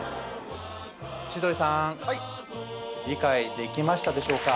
千鳥さん理解できましたでしょうか？